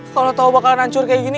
kalau tahu bakalan hancur kayak gini